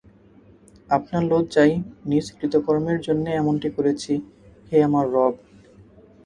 আপনার লজ্জায় নিজ কৃতকর্মের জন্যে এমনটি করছি, হে আমার রব!